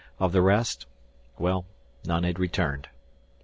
Of the rest well, none had returned.